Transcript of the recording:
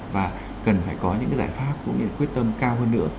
và cần phải có những cái giải pháp cũng như quyết tâm cao hơn nữa